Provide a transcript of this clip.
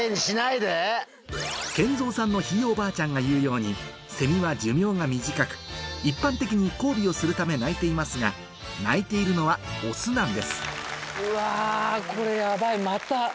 ＫＥＮＺＯさんのひいおばあちゃんが言うようにセミは寿命が短く一般的に交尾をするため鳴いていますが鳴いているのはオスなんですうわ。